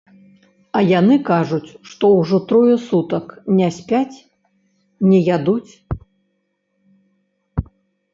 А яны кажуць, што ўжо трое сутак не спяць, не ядуць.